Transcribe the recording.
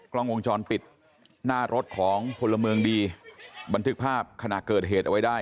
กล้องวงจรปิดหน้ารถของพลเมืองดีบันทึกภาพขณะเกิดเหตุเอาไว้ได้